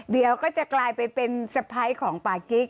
เดี๋ยวก็จะกลายเป็นสไพค์ของปากกิ๊ก